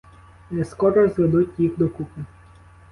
Не скоро зведуть їх докупи.